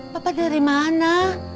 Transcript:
pak bapak dari mana